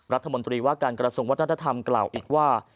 รัฐมนตรีว่าการกระทรวงวัฒนธรรมกล่าวอีกว่า